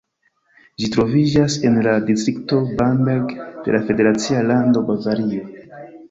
Ĝi troviĝas en la distrikto Bamberg de la federacia lando Bavario.